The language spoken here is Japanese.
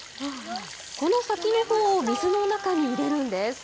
この先のほうを水の中に入れるんです。